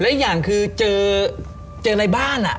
และอย่างคือเจอในบ้านอ่ะ